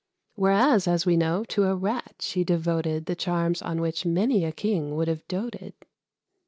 Whereas, as we know, to a Rat she devoted The charms on which many a king would have doated.